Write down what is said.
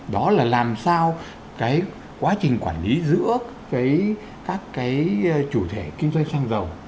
đó là làm sao cái quá trình quản lý giữa các cái chủ thể kinh doanh xăng dầu